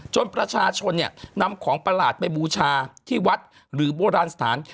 ประชาชนเนี่ยนำของประหลาดไปบูชาที่วัดหรือโบราณสถาน